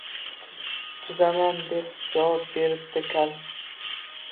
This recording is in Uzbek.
Тuzataman, deb javob beribdi kal